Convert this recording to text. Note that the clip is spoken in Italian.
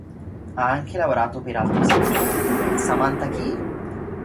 Ha anche lavorato per altre sitcom come "Samantha chi?